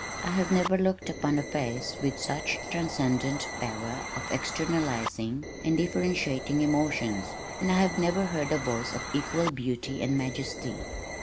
I have never looked upon a face with such transcendent power of externalizing and differentiating emotions, and I have never heard a voice of equal beauty and majesty.